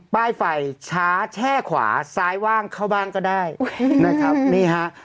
ป้ายไฟช้าแช่ขวาซ้ายว่างเข้าบ้านก็ได้นะครับนี่ฮะ